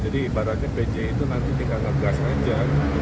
jadi ibaratnya pj itu nanti tinggal ngegas aja